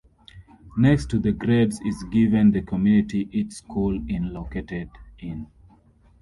Next to the grades is given the community each school in located in.